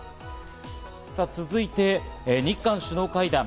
さぁ続いて日韓首脳会談。